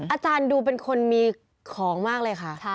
อาจารย์ดูเป็นคนมีของมากเลยค่ะ